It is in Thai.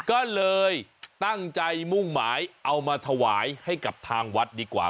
ก็เลยตั้งใจมุ่งหมายเอามาถวายให้กับทางวัดดีกว่า